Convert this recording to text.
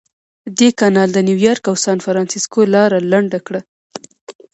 دې کانال د نیویارک او سانفرانسیسکو لاره لنډه کړه.